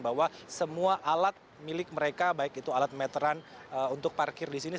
bahwa semua alat milik mereka baik itu alat meteran untuk parkir di sini